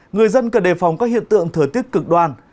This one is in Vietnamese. người dân cần đề phòng các hiện tượng thừa tiết cực đoan